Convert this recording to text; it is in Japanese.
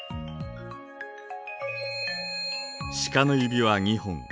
シカの指は２本。